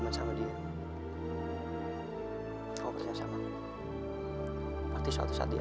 pem saudi seorang ya